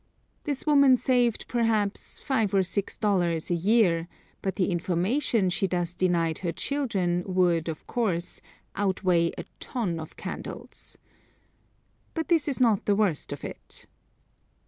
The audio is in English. This woman saved, perhaps, five or six dollars a year, but the information she thus denied her children would, of course, out weigh a ton of candles. But this is not the worst of it.